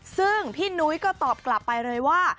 ซึ่งพี่นุ้ยก็ตอบกลับไปเลยว่า